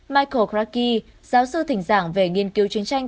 michael krakke giáo sư thỉnh giảng về nghiên cứu chiến tranh